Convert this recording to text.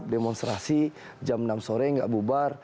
demonstrasi jam enam sore nggak bubar